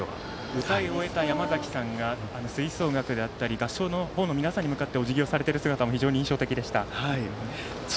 歌い終えた山崎さんが吹奏楽であったり合唱の皆さんに向かっておじぎをしている姿も印象的でした。